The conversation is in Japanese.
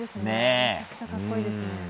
めちゃくちゃ格好いいですね。